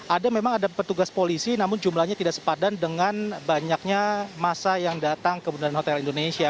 ada memang ada petugas polisi namun jumlahnya tidak sepadan dengan banyaknya masa yang datang ke bundaran hotel indonesia